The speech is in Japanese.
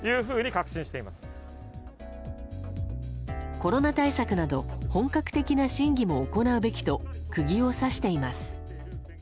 コロナ対策など本格的な審議も行うべきと釘を刺しています。